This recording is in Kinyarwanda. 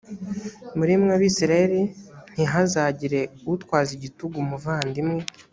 muri mwe abisirayeli ntihazagire utwaza igitugu umuvandimwe